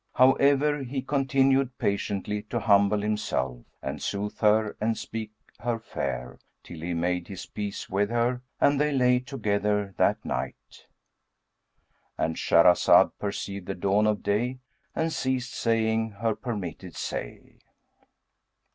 However, he continued patiently to humble himself, and soothe her and speak her fair, till he made his peace with her, and they lay together that night."—And Shahrazed perceived the dawn of day and ceased saying her permitted say.